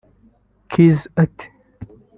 Khizz ati